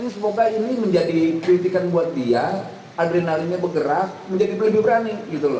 semoga ini menjadi kritikan buat dia adrenalinnya bergerak menjadi lebih berani gitu loh